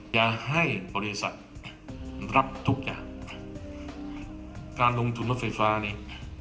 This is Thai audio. อย่าให้บริษัทรับทุกอย่างการลงทุนรถไฟฟ้านี่